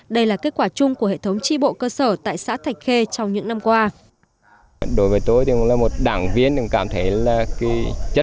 đây là kết quả chung của hệ thống tri bộ cơ sở tại xã thạch khê trong những năm qua